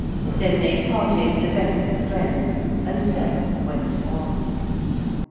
Then they parted, the best of friends, and Sep went on.